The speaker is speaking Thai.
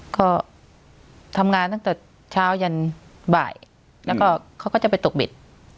ก็ทำงานตั้งแต่เช้ายันบ่ายแล้วก็เขาก็จะไปตกบิด